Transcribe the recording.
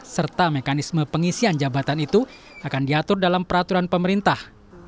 serta mekanisme pengisian jabatan itu akan diatur dalam peraturan pemerintah